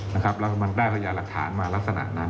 แล้วมันได้พยานหลักฐานมาลักษณะนั้น